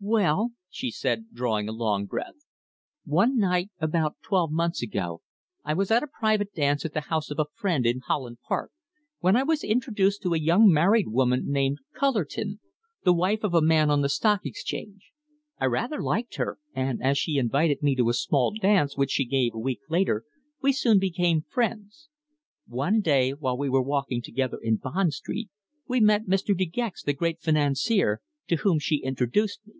"Well," she said, drawing a long breath. "One night about twelve months ago I was at a private dance at the house of a friend in Holland Park, when I was introduced to a young married woman named Cullerton, the wife of a man on the Stock Exchange. I rather liked her, and as she invited me to a small dance which she gave a week later we soon became friends. One day, while we were walking together in Bond Street we met Mr. De Gex, the great financier, to whom she introduced me.